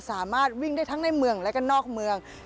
สามารถวิ่งได้ทั้งในเมืองและก็นอกเมือง